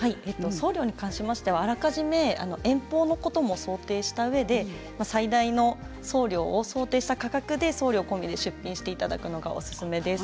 送料に関してはあらかじめ遠方のことも想定したうえで最大の送料を想定した価格で送料込みで出品していただくのがおすすめです。